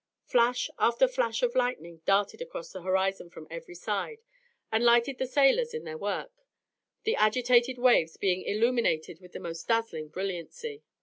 Flash after flash of lightning darted across the horizon from every side, and lighted the sailors in their work; the agitated waves being illuminated with the most dazzling brilliancy.